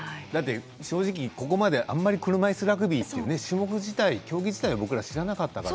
正直ここまであまり車いすラグビーという種目自体、競技自体を僕らは知らなかったから。